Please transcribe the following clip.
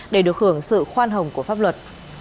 để được hưởng sự khoan hồng của pháp luật